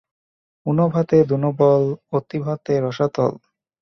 ঊনো ভাতে দুনো বল, অতি ভাতে রসাতল।